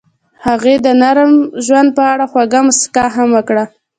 هغې د نرم ژوند په اړه خوږه موسکا هم وکړه.